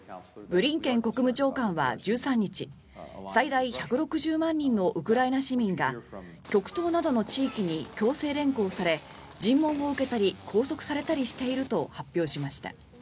ブリンケン国務長官は１３日最大１６０万人のウクライナ市民が極東などの地域に強制連行され尋問を受けたり拘束されたりしていると発表しました。